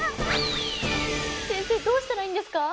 先生どうしたらいいんですか？